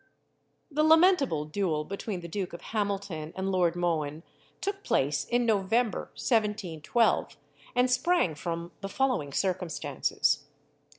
The lamentable duel between the Duke of Hamilton and Lord Mohun took place in November 1712, and sprang from the following circumstances.